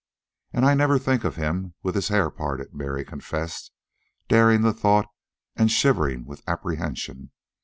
"An' I never think of him with his hair parted," Mary confessed, daring the thought and shivering with apprehension.